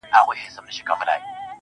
o سیاه پوسي ده، رنگونه نسته.